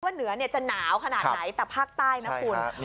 เหนือจะหนาวขนาดไหนแต่ภาคใต้นะคุณ